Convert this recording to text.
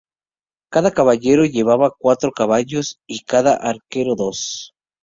Cada caballero llevaba cuatro caballos y cada arquero, dos.